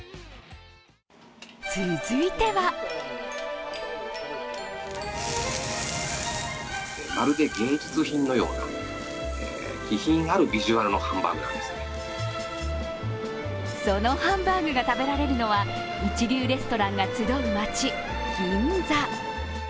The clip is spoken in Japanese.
続いてはそのハンバーグが食べられるのは一流レストランが集う街・銀座。